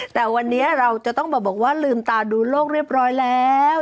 แต่วันนี้เราจะต้องบอกว่าลืมตาดูโลกเรียบร้อยแล้ว